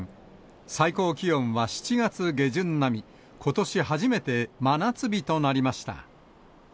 最高気温は７月下旬並み、ことし初めて、真夏日となりました。